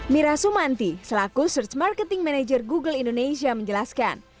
mira sumanti selaku search marketing manager google indonesia menjelaskan